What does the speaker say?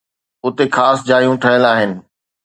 اتي خاص جايون ٺهيل آهن